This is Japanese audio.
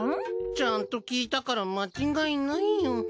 ちゃんと聞いたから間違いないよ。